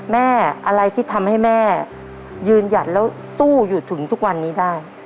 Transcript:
แม่อะไรที่ทำให้แม่ยืนหยัดแล้วสู้อยู่ถึงทุกวันนี้ได้